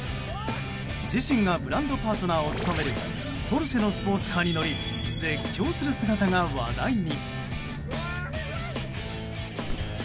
自身がブランドパートナーを務めるポルシェのスポーツカーに乗り絶叫する姿が話題に。